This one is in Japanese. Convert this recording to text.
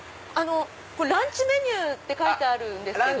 「ランチメニュー」って書いてあるんですけど。